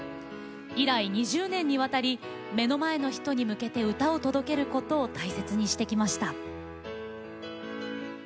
以来２０年にわたり目の前の人に向けて歌を届けることを大切にしてきました。